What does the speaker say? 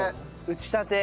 打ち立て。